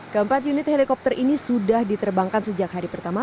keempat unit helikopter ini sudah diterbangkan sejak hari pertama